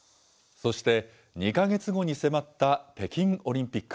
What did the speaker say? そして、２か月後に迫った北京オリンピック。